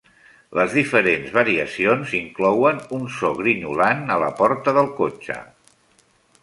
Les diferents variacions inclouen un so grinyolant a la porta del cotxe.